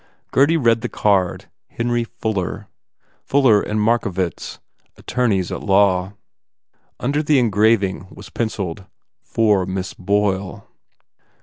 Gurdy read the card, Henry Fuller. Fuller and Mar covicz, Attorneys at Law. Under the engraving was pencilled, "For Miss Boyle."